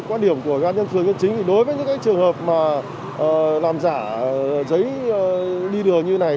quá điểm của các nhân phương nhân chính thì đối với những cái trường hợp mà làm giả giấy đi đường như này